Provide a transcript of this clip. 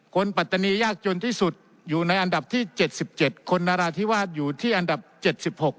ปัตตานียากจนที่สุดอยู่ในอันดับที่เจ็ดสิบเจ็ดคนนราธิวาสอยู่ที่อันดับเจ็ดสิบหก